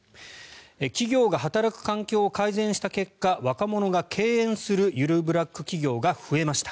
企業が働く環境を改善した結果若者が敬遠するゆるブラック企業が増えました。